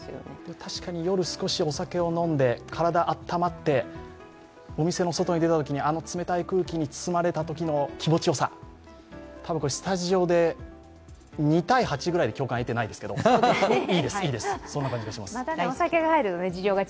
確かに夜、少しお酒を飲んで、体温まって、お店の外に出たときにあの冷たい空気に包まれたときの気持ちよさ、多分スタジオで２対８ぐらいで共感を得ていないですけどいいです、そんな感じがします。